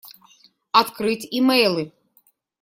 Открыть имейлы.